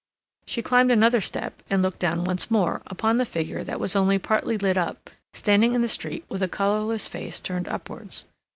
She climbed another step and looked down once more upon the figure that was only partly lit up, standing in the street with a colorless face turned upwards.